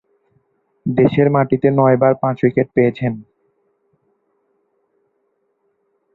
দেশের মাটিতে নয়বার পাঁচ-উইকেট পেয়েছেন।